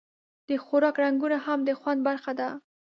د خوراک رنګونه هم د خوند برخه ده.